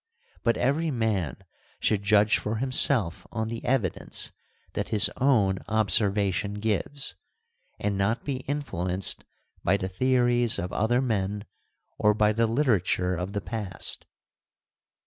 But every man should judge for himself on the evidence that his own observation gives, and not be influenced by the theories of other men or by the literature of the past.